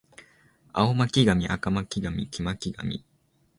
青巻紙赤巻紙黄巻紙